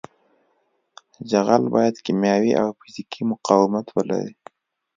جغل باید کیمیاوي او فزیکي مقاومت ولري